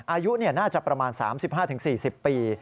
อายุน่าจะประมาณ๓๕๔๐ปี